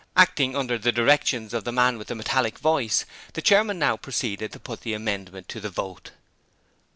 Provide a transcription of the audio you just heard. Acting under the directions of the man with the metallic voice, the chairman now proceeded to put the amendment to the vote.